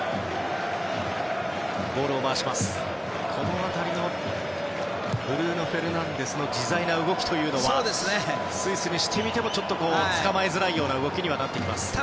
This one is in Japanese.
あのブルーノ・フェルナンデスの自在な動きというのはスイスにしてみてもつかまえづらい動きになってきます。